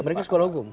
mereka sekolah hukum